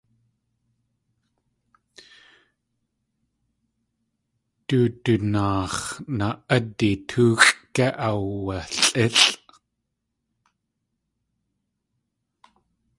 Du dunaax̲ naa.ádi tóoxʼ gé aawalʼílʼ?